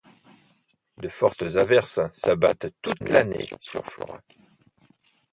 De fortes averses s'abattent toute l'année sur Florac.